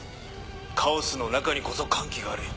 カオスの中にこそ歓喜がある。